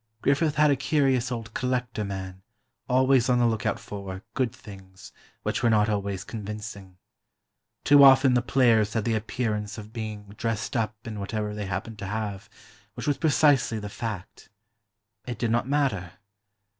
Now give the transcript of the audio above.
Griffith had a curious old collector man, always on the look out for "good things," which were not always convincing. Too often the players had the appearance of being "dressed up" in whatever they happened to have, which was precisely the fact. It did not matter.